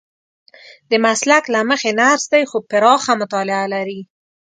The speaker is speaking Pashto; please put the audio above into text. د مسلک له مخې نرس دی خو پراخه مطالعه لري.